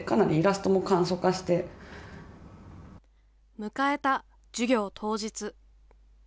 迎えた授業当日。